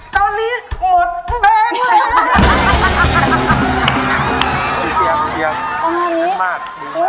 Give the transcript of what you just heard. ตอนนี้กดแบงก์